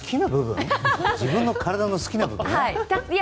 自分の体の好きな部分？